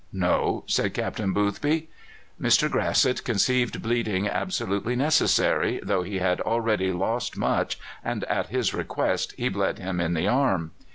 "No," said Captain Boothby. Mr. Grasset conceived bleeding absolutely necessary, though he had already lost much, and at his request he bled him in the arm.